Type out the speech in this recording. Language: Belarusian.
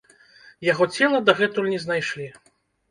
Яго цела дагэтуль не знайшлі.